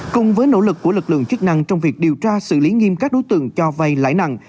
cùng với nỗ lực của lực lượng chức năng trong việc điều tra xử lý nghiêm các đối tượng cho vay lãi nặng